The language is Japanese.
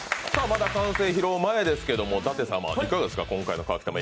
まだ完成披露前ですけれども、いかがですか？